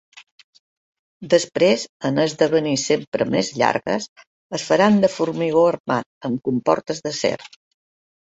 Després, en esdevenir sempre més llargues, es faran de formigó armat amb comportes d'acer.